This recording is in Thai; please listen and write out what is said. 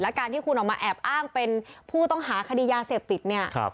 การที่คุณออกมาแอบอ้างเป็นผู้ต้องหาคดียาเสพติดเนี่ย